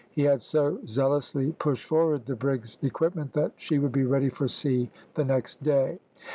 He had so zealously pushed forward the brig's equipment that she would be ready for sea the next day.